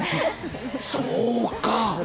そうか。